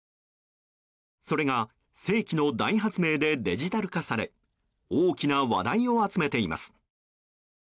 それが世紀の大発明でデジタル化され大きな話題を集めています。